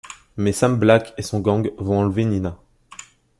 Mais Sam Black et son gang vont enlever Nina...